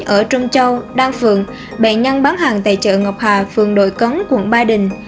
ở trung châu đan phượng bệnh nhân bán hàng tại chợ ngọc hà phường đội cấn quận ba đình